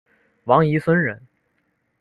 王沂孙人。